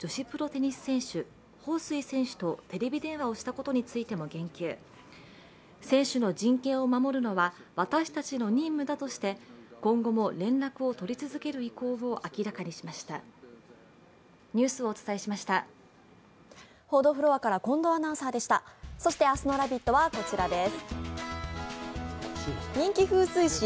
そして、明日の「ラヴィット！」はこちらです。